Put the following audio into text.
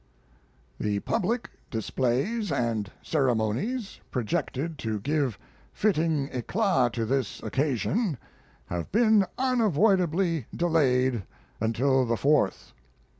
The public displays and ceremonies projected to give fitting eclat to this occasion have been unavoidably delayed until the 4th.